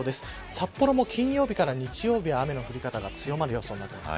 札幌も金曜日から日曜日、雨の降り方が強まる予想になっています。